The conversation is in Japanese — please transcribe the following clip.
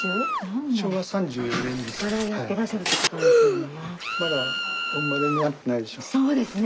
からやってらっしゃるってことですよね。